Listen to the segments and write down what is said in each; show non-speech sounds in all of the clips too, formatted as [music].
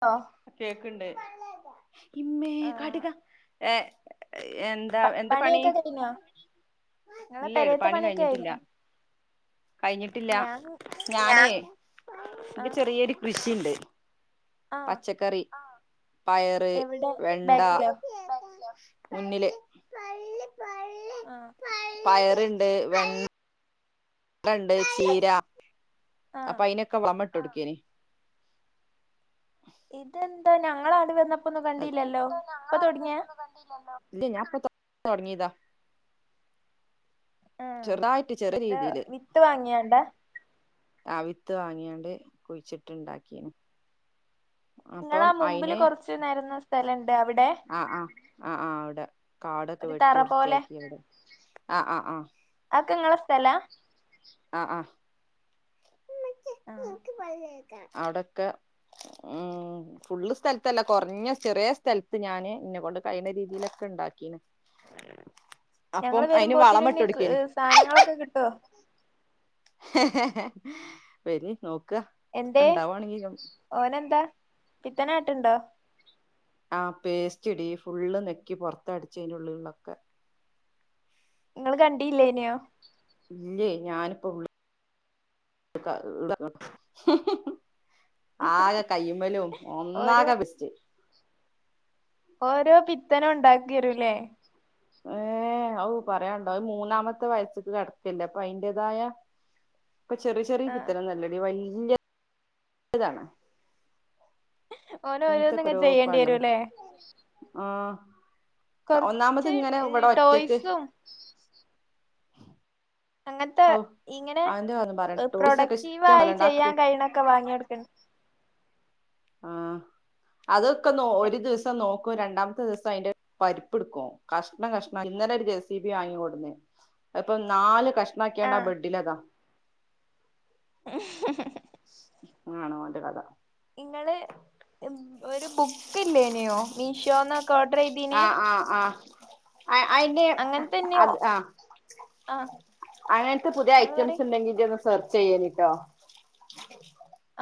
ആ കേക്കണ്ടേ ഇമ്മേ ആ കടിക ഏ എ എന്താ പ എന്താ പണി പണിയൊക്കെ കഴിഞ്ഞോ നിങ്ങളെ ഇല്ല പെരേത്തെ പണി പണിയൊക്കെ കഴിഞ്ഞിട്ടില്ല കഴിഞ്ഞോ കഴിഞ്ഞിട്ടില്ല ഞാൻ ആ ഞാനേ ആ എനിക്ക് ചെറിയൊരു കൃഷിയുണ്ട് ആ പച്ചക്കറി പയറ് എവിടെ വെണ്ട ബാക്കിലോ മുന്നില് ആ പയറുണ്ട് വെ ഇണ്ട് ചീര ആ അപ്പൊ അയിതിനൊക്കെ വന്നിട്ട് കൊടുക്കന ഇതെന്താ ഞങ്ങളടി വന്ന അ ഇല്ല ഞാൻ ഇപ്പ തുടങ്ങിയതാ ആ ചെറുതായിട്ട് ചെറിയ എന്താ രീതിയില് വിത്ത് വാങ്ങിയാണ്ടാ അവിത്ത് വാങ്ങിയാണ്ട് കുഴിച്ചിട്ടുണ്ടാക്കിയനു അപ്പം നിങ്ങളാ മുമ്പില് അയിന് കൊറച്ച് നേരുന്ന സ്ഥലണ്ട് അവിടെ ആഹ ആ ആ ആ് അവിടെ കാടൊക്കെ ഒരു വെട്ടി തറ പോലെ വൃത്തിയാക്കി അവിടെ ആ ആ ആഹ് ആക്കെങ്ങളെ സ്ഥല ആഹ ആഹ ആ അവിടൊക്കെ ഉ ഫുള്ള് സ്ഥലത്തല്ല കുറഞ്ഞ ചെറിയ സ്ഥലത്ത് ഞാന് ഇന്നെ കൊണ്ട് കഴിയുന്ന രീതിയിലൊക്കെ ഉണ്ടാക്കീന് അപ്പം ഞങ്ങള് അയിന് വളമ വരുമ്പോത്തിനുന്നെ ഇട്ട്ൊടുക്കന സാധനങ്ങളൊക്കെ കിട്ടോ പനി നോക്ക ഒക്കെ എന്തേ ഇണ്ടാവാണെങ്കി ഓനെന്താ പിത്തനാട്ടുണ്ടോ ആ പേസ്റ്റ് ഇടി ഫുള്ള് നെക്കി പുറത്ത അടച്ച് അതിന്റെ ഉുള്ളിലൊക്കെ നിങ്ങള്ൾ കണ്ടീല്ലേ ഇനെയോ ഇല്ലേ ഞാനിപ്പോ ഉള്ളി ട ആകെ കയ്മലും ഓര് ഒന്നാകെ വസ്റ്റ് ഓരോ പിത്തനും ഉണ്ടാക്കിരൂല്ലേ ഏഹ ഔ പറയണ്ടോ മൂന്നാമത്തെ വയസ്സക്ക് കിടക്കല്ലേ അപ്പൊ അയിന്റേതായ ഇപ്പൊ ചെറിയ ചെറിയ ആഹ് ചിത്തരം നല്ലടി വലിയ ഇതാണ് ഓന് ഓരോന്നിങ്ങെ എനത്തെൊക്കെരു ചെയ്യേണ്ടി പാണിയോ വരൂല്ലേ ആഹ ഒന്നാമത് കൊറച്ച് ഇങ്ങനെ ഇവിടെ ഒറ്റക്ക് ടോയ്സും അങ്ങനത്തെ ആ ഔ ഇങ്ങനെ അവന്റെ പറന്നും പറയാ ടോയ്സ ഒക്കെ ഇഷ്ട പ്രൊഡക്റ്റീവായി പോലണ്ടാക്ക ചെയ്യാൻ കഴിയണൊക്കെ വാങ്ങി കൊടുക്കണ്ട് ആ അതൊക്കെ നോ ഒരു ദിവസം നോക്കൂ രണ്ടാമത്തെ ദിവസം അതിന്റെ പരിപ്പ എടുക്കും കഷ്ണം കഷണം ഇന്നലെ ഒരു ജ സ ഇബി വാങ്ങിിക്കൂടുന്നേ ഇപ്പം നാല് കഷ്ണംമാക്കിയണ്ട ആഹ് ബെഡിലതാ ഉ ആണോന്റെ കഥ നിങ്ങള് ഒരു ബുക്ക് ഇല്ലേനെയോ മീഷോന്ന് ആഹ ആഹ ആഹ അയിറെ അങ്ങനത്തെന്നെയോ അത് ആഹ ആഹ് അങ്ങനത്തെ പുതിയ ഇങ്ങള് പറയ് ഐറ്റംസ് ഉണ്ടെങ്കിൽ ഒന്ന് സെർച്ച് ചെയ്യാനിട്ടോ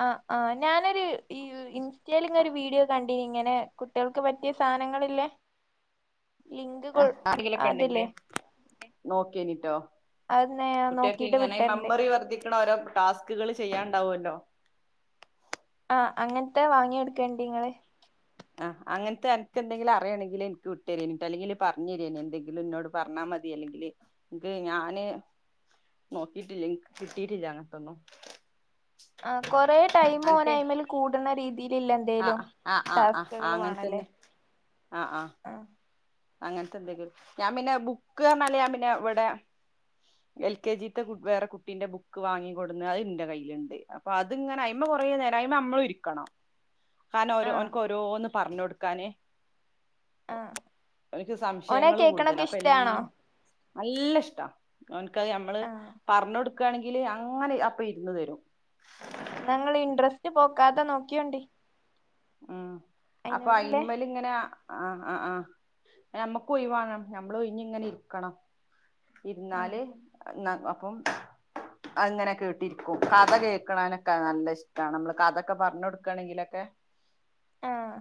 ആ ആ് ഞാനൊരു ഈ ഇൻസ്റ്റയിൽ ഇങ്ങ ഒരു വീഡിയോ കണ്ടി ഇങ്ങനെ കുട്ടികൾക്ക് പറ്റിയ സാധനങ്ങളില്ലേ ലിങ്ക് കൊ ആഹ അടികില അതില്ലേ കണ്ടെ നോക്കിയനട്ടോ അത് ഞാൻ കുട്ടിയക്കെ നോക്കിട്ട് ഇങ്ങനെ വിട്ടരണ്ട് മെമ്മറി വർദ്ധിക്കണ ഓരോ ടാസ്ക് വർക്കുകൾ ചെയ്യാണ്ടാവുല്ലോ? ആഹ് അങ്ങനത്തെ വാങ്ങി എടുക്കേണ്ടേ നിങ്ങള്? ആഹ്അങ്ങനത്തെ നിനക്ക് എന്തെങ്കിലും അറിയണെങ്കിൽ എനിക്ക് ഇട്ട് തരീൻ അല്ലെങ്കിൽ പറഞ്ഞു തരിയേനി എന്തെങ്കിലും എന്നോട് പറഞ്ഞാൽ മതി അല്ലെങ്കില് എനിക്ക് ഞാന് നോക്കിട്ടില്ല. എനിക്ക് കിട്ടിട്ടില്ല അങ്ങനത്തൊന്നും. ആ കൊറേ ടൈം ഓന് അനക്ക് അയ്മേൽ കൂടുന്ന രീ ഇതിലില്ല എന്തേലും ആഹ് ആഹ് ആഹ് ആഹ് ടാസ്കുകൾ അങ്ങനെ വേണല്ലേ? തന്നെ ആഹ് അങ്ങനത്തെ എന്തെങ്കിലും ഞാൻ പിന്നെ ബുക്ക് പറഞ്ഞാലേ ഞാൻ പിന്നെ ഇവിടെ എൽ കെ ജി ത്തെ വേറെ കുട്ടീന്റെ ബുക്ക് വാങ്ങികൊടുവന്ന് അത് എന്റെ കയ്യിലുണ്ട്. അപ്പൊ അ ഇതിങ്ങനെ ആയ്മേ കുറേ നേരംഅയ്മേ നമ്മളുംഇരിക്കണം. ഹാന ഓരോ ആഹ് അവനക്ക് ഓരോന്ന് പറഞ്ഞു കൊടുക്കാന്. ആഹ് അവനിക്ക് ഓനാ സംശയങ്ങള് കേക്കണൊക്കെ കൂടുതലാ അപ്പൊ ഇഷ്ടാണോ എല്ല നല്ല ഇഷ്ടാ അവനക്ക് ഞമ്മള് ആഹ് പറഞ്ഞു കൊടു ക്കയാണെങ്കില് അങ്ങനെ അപ്പം ഇരുന്ന് തരും. ഞങ്ങള് ഈ ഇൻട്രസ്റ്റ് പോക്കാതെ നോക്കിയോണ്ട്? ഉഹ് അപ്പൊ അയിനോടില്ലേ അയിമേൽ ഇങ്ങനെ ആഹ് ആഹ് ആഹ് നമ്മുക്കൊഴിവു വേണം നമ്മൾ ഒഴിഞ്ഞ് ഇങ്ങനെ ഇരിക്കണം. ആഹ് ഇരുന്നാല് ന്ന അപ്പം അങ്ങനെ കേട്ടിരിക്കും. കഥ കേൾക്കണാനൊക്കെ നല്ല ഇഷ്ടമാണ്. നമ്മള് കഥയൊക്കെ പറഞ്ഞു കൊടുക്കയാണെങ്കിലൊക്കെ ആഹ്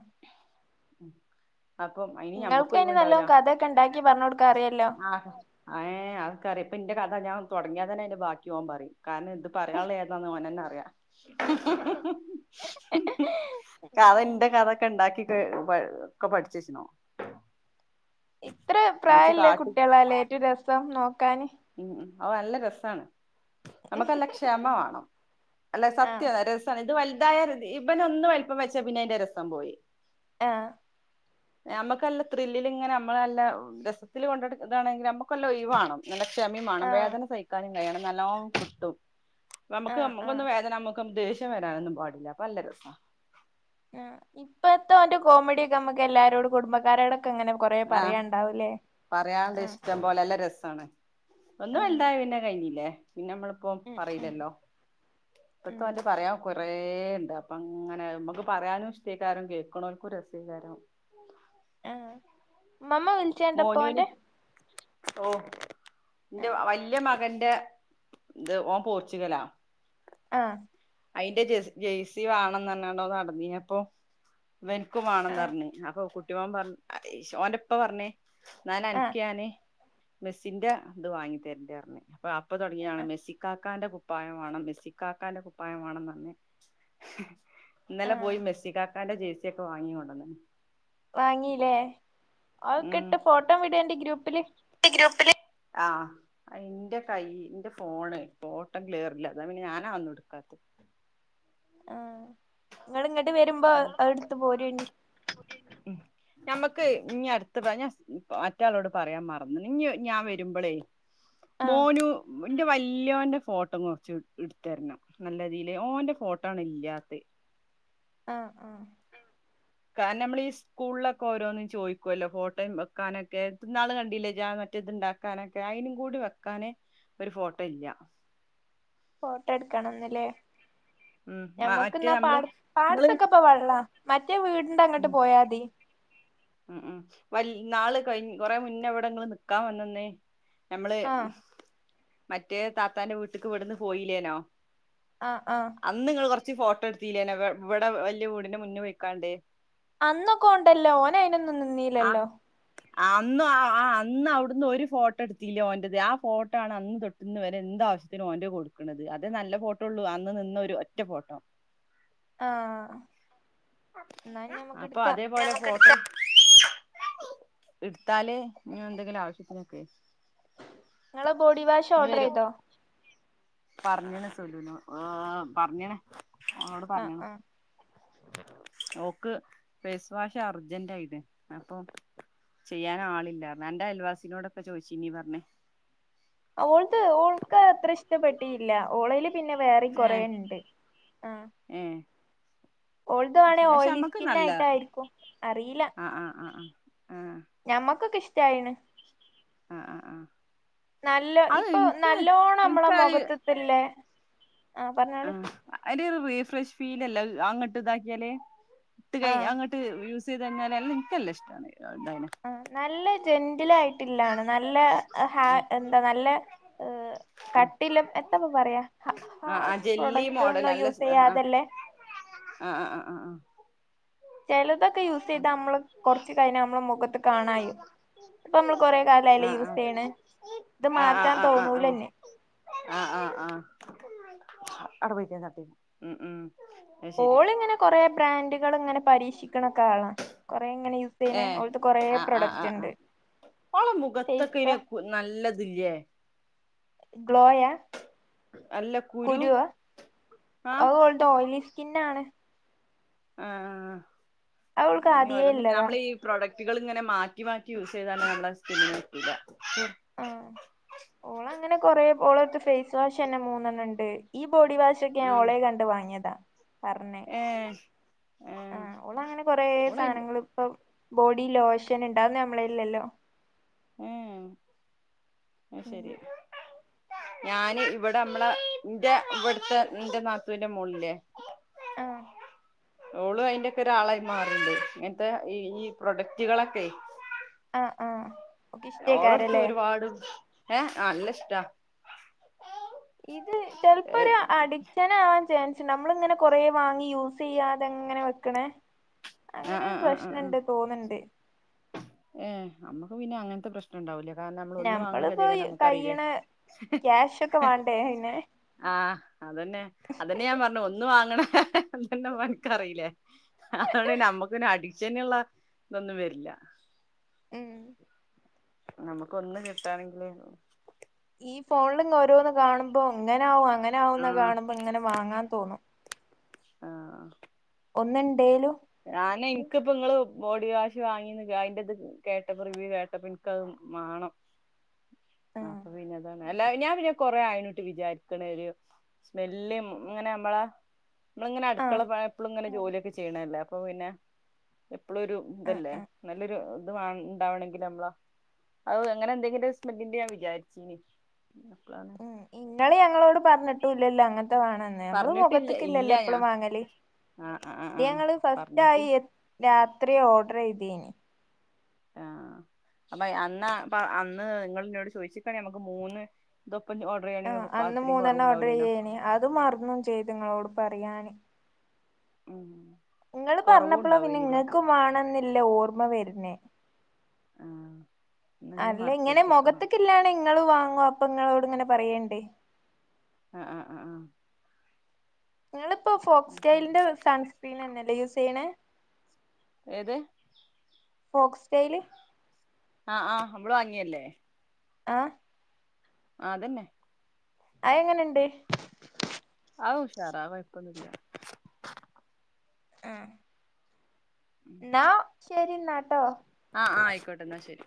അപ്പം- അയിന് നിങ്ങൾക്ക് ഞമ്മക്ക് തന്നെ നല്ല ഒഴിവുണ്ടാവൂല കഥയൊക്കെ ഉണ്ടാക്കി പറഞ്ഞു കൊടുക്കൻ അറിയാല്ലോ? ആഹാ ഏഹ് അതക്കറിയാം. ഇപ്പ ഇന്റെ കഥ ഞാൻ തുടങ്ങിയാ തന്നെ അതിന്റെ ബാക്കി അവൻ പറയും കാരണം ഇത് പറയാനുള്ള ഏ ന്ന ഓന് തന്നെ അറിയാം. കഥ ഇന്റെ ഉം കഥയൊക്കെ ഉണ്ടാക്കിട്ട് ഒക്കെ പഠിച്ച് വെച്ചിനോ എത്ര ഇമ്മച്ചി പ്രായില്ലേ കാട്ടും കുട്ടികളല്ലേ ഏറ്റവും രസം നോക്കാന്? ഉം ഹ് അത് നല്ല രസമാണ് നമ്മുക്ക് നല്ല ക്ഷമ വേണം അല്ല ആഹ് സത്യം ഇത് വലുതായ ഇവന് ഒന്ന് വലുപ്പം വെച്ചാ പിന്നെ അതിന്റെ രസം പോയി. ആഹ് നമുക്കല്ല ത്രില്ലിൽ ഇങ്ങനെ നമ്മളെല്ല രസത്തില് കൊണ്ടു നടക്കുക ഇതാണെങ്കിൽ നമ്മുക്കെല്ലാം ഒഴിവ് വേണം. നല്ല ക്ഷമയും വേണം ആഹ് വേദന സഹിക്കാനും കഴിയണം നല്ലോം കിട്ടും. നമുക്ക് ആഹ് ആഹ് നമുക്കൊന്ന് വേദന നമ്മ ദേഷ്യം വരാനൊന്നും പാടില്ല. അപ്പം നല്ല രസവാ. ആഹ് ഇപ്പഴത്തെ കോമഡി ഒക്കെ നമ്മുക്ക് എല്ലാരോടും കുടുംബക്കാരോടൊക്കെ ഇങ്ങനെ കൊറേ ആഹ് പറയാനുണ്ടാവു അല്ലേ. പറയാണ്ട് ഉം. ഇഷ്ടം പോലെ നല്ല രസമാണ്. ഒന്നും അല്ലാതെ പിന്നെ കഴിഞ്ഞില്ലേ പിന്നെ നമ്മൾ പ്പം ഉം ഉം പറയില്ലല്ലോ? ഉം ഇപ്പത്തെ പറയാം കൊറേ ഉണ്ട് അപ്പം അങ്ങനെ നമ്മുക്ക് പറയാനും ഇഷ്ടക്കാരം കേൾക്കണോർക്ക് രസേകാരം ആഹ് ഉമ്മാമ്മ മോനുന് ഓ ആ എന്റെവലിയ മകന്റെ ഇത് ഓൻ പോർച്ചുഗലാ. ആഹ് അയിന്റെ ജ ജേഴ്സി വേണോന്ന് പറഞ്ഞോണ്ട് നടന്നീ അപ്പൊ ഇവനക്കും ആ വേണോന്ന് പറഞ്ഞ് അപ്പൊ കുട്ടിയോൻ പറഞ് ഓന്റെ ഉപ്പ പറഞ്ഞേ എന്നാ ആ അനക്ക് ഞാന് മെസ്സിന്റെ ഇത് വാങ്ങി തരുണ്ടേ പറഞ്ഞ് അപ്പൊ അപ്പ തുടങ്ങിയതാണ് മെസ്സിക്കാക്കാന്റെ കുപ്പായം വേണം മെസ്സിക്കാക്കാന്റെ കുപ്പായം വേണം പറഞ്ഞ്. ആ ഇന്നലെ പോയി മെസ്സി കാക്കാന്റെ ജേഴ്സിയൊക്കെ വാങ്ങി കൊണ്ടുവന്നു. വാങ്ങീല്ലേ അതൊക്കെ ഇട്ട് ഫോട്ടോ വിട് എന്റെ ഗ്രൂപ്പില് ഗ്രൂപ്പില് ആഹ് ന്റെ കൈ എന്റെ ഫോണ് ഫോട്ടം ക്ലിയർല്ല അതാ പിന്നെ ഞാൻ അതൊന്നും എടുക്കാത്തേ ആഹ് നിങ്ങള് ഇങ്ങോട്ട് വരുമ്പോ ഉം അഹ് അടുത്ത് പോരെനി [unintelligible] ഉം ഞമ്മക്ക് ഇ അടുത്ത് പറ ഞാൻ മറ്റളോട് പറയാൻ മറന്ന് ഇനി ഞാൻ വരുമ്പോളേ ആ മോനു എന്റെ വല്യോന്റെ ഫോട്ടോ കുറച്ച് എടുത്തരണം നല്ല രീതിയിൽ ഓന്റെ ഫോട്ടോ ആണ് ഇല്ലാത്തേ ആഹ് ആഹ് കാരണം നമ്മൾ ഈ സ്കൂളിലൊക്കെ ഓരോന്നും ചോദിക്കുവല്ലോ ഫോട്ടോയും വെക്കാനൊക്കെ ഇന്നാള് കണ്ടീല്ലേ ജാ മറ്റേതുണ്ടാക്ക വക്കാനൊക്കെ അയിനും കൂടി വെക്കാനെ ഒരു ഫോട്ടോ ഇല്ല ഫോട്ടോ എടുക്കണംന്നല്ലേ ഉം മ- ഞമ്മക്ക് മറ്റേ എന്നാ നമ്മള് പാട നിങ്ങള് പാടത്തൊക്കെ ഇപ്പ വെള്ളാ മറ്റേ വീടിന്റെ അങ്ങോട്ട് ഉം പോയാ മതി ഉം ഉം വ നാള് കഴി കൊറെ മുന്നേ ഇവിടെങ്ങള്ൾ നിക്കാൻ വന്നന്നേ ഞമ്മള് ആ മറ്റേ താത്താന്റെ വീട്ടക്ക് ഇവിടുന്ന് പോയില്ലേനോ ആഹ് ആഹ് അന്ന് നിങ്ങൾ കുറച്ച് ഫോട്ടോ എടുത്തില്ലേന ഇവിടെ വല്യ വീടിന് മുന്നിൽ വയ്ക്കാണ്ടേ അന്നൊക്കെ ഉണ്ടല്ലോ ഓന് അയിനൊന്നും നിന്നീല്ലല്ലോ ആഹ് അന്ന് ആന് അന്ന് അവിടുന്ന് ഒരു ഫോട്ടോ എടുത്തില്ലോ ഓന്റത് ആഹ് ഫോട്ടോ ആണ് അന്ന് തൊട്ട ഇന്ന് വരെ എന്ത ആവശ്യത്തിന് ഓന്റെ കൊടുക്കണത് അതേ നല്ല ഫോട്ടോള്ളൂ അന്ന് നിന്നൊരു ഒറ്റ ഫോട്ടോ ആഹ് എന്നാ ഞമ്മക്ക് അപ്പൊ എടുക്കാം അതേ പോലെ ഫോട്ട [unintelligible] എടുത്താലേ ഇനി എന്തെങ്കിലും ആവശ്യത്തിനൊക്കെ ഞങ്ങള് ബോഡി വാഷ് ഓർഡർ ചെയ്തോ പറഞ്ഞണ സൊലൂന ഏഹ് പറഞ്ഞണേ അവോട് ആഹ് പറഞ്ഞണു ആഹ് ഓക്ക് ഫേസ് വാഷ് അർജന്റ് ആയില്ലേ അപ്പൊ ചെയ്യാൻ ആളില്ലാ എന്റെ അയൽവാസിനോടൊക്കെ ചോദിച്ചി നീ പറഞ്ഞേ ഓൾക്ക് ഓൾക്ക് അത്ര ഇഷ്ടപ്പെട്ടീല്ല ഓളല് പിന്നെ വേറെ ഏഹ് കൊറെയുണ്ട് ആഹ് ഏഹ് ഓൾത് വേണേ പക്ഷെ ഓയിലി നമ്മക്ക് സ്കിൻ നല്ല ആയിട്ടായിരിക്കും അറിയില്ല ആഹ് ആഹ് ആഹ് ആഹ് ആഹ് ഞമ്മക്കൊക്കെ ഇഷ്ടമായിണ് ആഹ് ആഹ് ആഹ് ആഹ് നല്ല അത് ഇപ്പൊ ഇൻക്ക് നല്ലോണം നമ്മളെ ഇൻക്കത് മുഖത്ത് ഇതില്ലേ ആഹ് പറഞ്ഞോളി എടി ഇത് റീഫ്രഷ് ഫീൽ അല്ല അങ്ങോട്ട് ഇതാക്കിയാലേ ഇട്ട് കൈ ആഹ് അങ്ങട്ട് യൂസ് ചെയ്ത് കഴിഞ്ഞാല് എല്ലാം എനക്ക് നല്ല ഇഷ്ടമാണ് എായെ [unintelligible] ആഹ് നല്ല ജെന്റില ആയിട്ടില്ലാണ് നല്ല ആഹ് എന്താ നല്ല ആഹ് ആഹ് കട്ടില്ല എന്തപ്പം പറയാ ആഹ് ആഹ് ഹാർഷ് ജെല്ലി പ്രൊഡക്റ്റ് മോഡൽ ഒന്നും നല്ല യൂസ് സ് ചെയ്യാതല്ലേ ആഹ് ആഹ് ആഹ് ആഹ് ആഹ് ചിലതൊക്കെ യൂസ് ചെയ്താ നമ്മള് കൊറച്ചു കഴിഞ്ഞാൽ നമ്മള് മുഖത്ത് കാണായി ഇപ്പ നമ്മൾ കൊറെ കാലല്ലേ ആഹ് ആഹ് ആഹ് ആഹ് ആഹ് ആഹ് ആഹ് യൂസ് ചെയ്യണേ ഇത് മാറ്റാൻ തോന്നൂലല്ലേ ആഹ് ആഹ് ആഹ് അ അറ് [unintelligible] ഉം ഉം. അത് ശരി ഓൾ ഇങ്ങനെ കൊറെ ബ്രാൻഡുകൾ ഇങ്ങനെ പരീക്ഷിക്കണൊക്കെ ആളാ കൊറെ ഇങ്ങനെ ഏ ചെയ്യണ ഓളത് കൊറേ ആഹ് ആഹ് പ്രൊഡക്റ്റ് ആഹ് ആഹ് ഉണ്ട് അവളെ മുഖത്തൊക്കെ ഫേസ്പ ഇങ്ങനെ നല്ലതില്ലേ ഗ്ലോയാ നല്ല കുരു കുരുവാ ആഹ് അത് ഓള് ഓയിലി സ്കിന്നാണ് അത് ഓൾക്ക് ആഹ് ആദ്യേ ആഹ്‌ ഇള്ളതാ നമ്മള് ഈ പ്രൊഡക്ടുകള് ഇങ്ങനെ മാറ്റി മാറ്റി യൂസ് ചെയ്താലള്ള സ്കിന് പറ്റൂലാ ആഹ് ഓളഅങ്ങനെ കൊറേ ഓളട്ത്ത് ഫേഷ് വാഷന്നെ മൂന്നെണ്ണണ്ട് ഈ ബോഡി വാഷ് ച്ചൊക്കെ ഉം ഞഓളെ കണ്ട് വാങ്ങിയതാ പർണെ ഏഹ് ഏഹ് ആഹ് ഓളങ്ങനെ കൊറേ ഓളയ് സാധനങ്ങള് ഇപ്പം ബോഡി ലോഷന് ഇണ്ട് അഒന്നും നമ്മളെല് ല്ലല്ലോ ഏഹ് ഉം ആയിശരി ഞാന് ഇവിടെ നമ്മളെ ഇന്റെ ഇവിട്ത്തെ ഇന്റെ നാത്തൂന്റെ മോള്ല്ലേ ആഹ് ഓള് അയിന്റക്കെ ഒരാളായി മാറിണ്ട് ഇങ്ങനത്തെ ഈ ഈ പ്രൊഡക്റ്റുകളൊക്കെ ആഹ് ആഹ് ഓക്ക് ഓളടുത്ത് ഇഷ്ടേക്കാരല്ലേ ഒരുപാട് ഏഹ നല്ല ഇഷ്ടാ ഇത് ചെൽപ്പൊര് ഏഹ് അടി ചെലവാവൻ ചാൻസ്ണ്ട് നമ്മളിങ്ങനെ കൊറേ വാങ്ങി യൂസ്യ്യാതെങ്ങനെ വെക്ക്ണേ ആഹ ആഹ് ആഹ് ആഹ് തോന്ന്ണ്ട് ഏഹ് നമ്മക്ക് പിന്നെ അങ്ങനത്തെ പ്രശ് ണ്ടാവൂല കാരണം നമ്മള് ഒന്ന് വാങ്ങണ ഞമ്മളിപ്പോ കതിയേടന്നെ നമുക്ക്റീലെ കയ്യ്ണ ക്യാഷ് ഒക്കെ വാണ്ടേ അയിന് ആഹ് അത് തന്നെ അതന്നെ ഞാൻ പറഞ്ഞെ ഒന്ന് വാങ്ങ്ണ [unintelligible] അൻക്ക് അറീലെ ളിന നമ്മക്ക് പിന്നെ അഡിക്ഷന്ള്ള ഇതൊന്നും വര്ല്ല ഉം നമുക്ക് ഒന്ന് കിട്ടാണെങ്കില് ഈ ഫോണ്ല്ങ് ഓരോന്ന് കാണുമ്പോ ഇങ്ങനാവും അങ്ങനാവുന്ന്‌ ആഹ് കാണുമ്പോ ഇങ്ങനെ വാങ്ങാൻ തോന്നും ആഹ് ഒന്ന്ണ്ടേലു ഞാനെ ഇൻക്ക്പ്പങ്ങള് ബോഡി വാഷ് വാങ്ങിന്ന് അയിന്റത് കേട്ടപ്പ റിവ്യൂ കേട്ടപ്പ ഇൻകത് മാണം ആഹ് അപ്പൊ പിന്നെതാണ് അല്ല ഞാ പിന്നെ കൊറെേ ആയ്ണ് ട്ട് വിചാരിക്ക്ണ് ഒര് സ്മെല്ലും ഇങ്ങനെ നമ്മളാ മ്മള് ഇങ്ങനെ ആഹ് അട്ക്കള പ എപ്പള്ങ്ങനെ ജോലിയൊക്കെ ചെയ്യണല്ലേ അപ്പൊ പിന്നെ എപ്പളൊരു ആഹ് ഇതല്ലേ നല്ലൊരു ഇത് വാ ഇണ്ടാവണെങ്കില് നമ്മളാ അഹ് അങ്ങനെ എന്തെങ്കിലും സ്മെല്ലിന്റെ ഞാൻ വിചാരിച്ചീനി അപ്പള ഉം ഇങ്ങള് ഞങ്ങളോട് പറഞ്ഞിട്ടും ഇല്ലല്ലോ അങ്ങനത്തേ വേണോന്ന് നമ്മള് പറഞ്ഞിട്ടില്ല ഇല്ല മുഖത്ത്ക്ക്ല്ലല്ലേ എപ്പളും ഞാൻ വാങ്ങല് ആഹ് ആഹ് ആഹ് ഇത് ആഹ് ഞങ്ങള് ഫസ്റ്റ് പറഞ്ഞിട്ട് ആയി രാത്രി ഓർഡർ ച്യ്തിനി ആഹ് അപ്പ അന്ന് പ്പ അന്ന് ഇങ്ങൾ ഇന്നോട് ചോയ്ച്ച്ക്കാണെ നമ്മക്ക് മൂന്ന് ഇതൊപ്പം ആഹ് ചെയ്യയാണെങ്കിൽ അന്ന് അത്രയും മൂന്നെണ്ണം ഓർഡർ കുറവുണ്ടാവൂലേനോ ചെയ്യേനി അത് മറന്നും ചെയ്തു ഇങ്ങളോട് പറയാന് ഉം ഇങ്ങള് പറഞ്ഞപ്പളാ പിന്നെ കൊറവുണ്ടാവേനില്ലേ ഇങ്ങക്ക് വാണന്നില്ല ഓർമ വര്ന് ആഹ് എന്നാ ഇനി അല്ല ഇങ്ങനെ മറക്കരുത്ട്ടോ മുഖത്ത്ക്ക്ല്ലാണ ഇങ്ങള് വാങ്ങൊ ഇപ്പങ്ങളോട് ഇങ്ങനെ പറിയിണ്ട് ആഹ് ആഹ് ആഹ് ആഹ് ഇങ്ങള്പ്പോ ആഹ് ഫോക്സ്റ്റൈലിന്റെ സൺസ്ക്രീനന്നെല്ലേ യൂസ്യ്യ്ണെ ഏത് ഫോക്സ്റ്റൈൽ ആഹ് ആഹ് നമ്മള് വാങ്ങിയല്ലേ ആഹ് ആഹ് അത് തന്നെ അത് എങ്ങനെണ്ട് ആത് ഉഷാറാ അത് കൊഴപ്പൊന്നുല്ല്യ ആഹ് ന്നാ ശരിന്നാട്ടോ ആഹ് ആഹ് ആയിക്കോട്ടെ എന്നാ ശരി